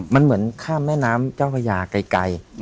มันเหมือนข้ามแม่น้ำเจ้าพญาไกล